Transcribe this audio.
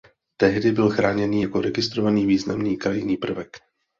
Tehdy byl chráněný jako registrovaný významný krajinný prvek.